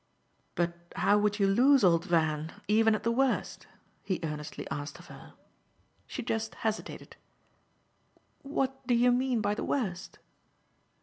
"But how would you lose old Van even at the worst?" he earnestly asked of her. She just hesitated. "What do you mean by the worst?"